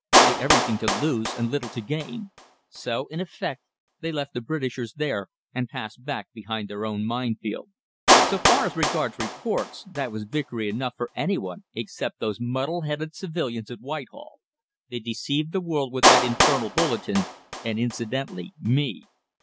They'd everything to lose and little to gain. So in effect they left the Britishers there and passed back behind their own minefield. So far as regards reports, that was victory enough for any one except those muddle headed civilians at Whitehall. They deceived the world with that infernal bulletin, and incidentally me.